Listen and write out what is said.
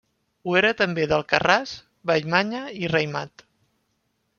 Ho era també d'Alcarràs, Vallmanya i Raïmat.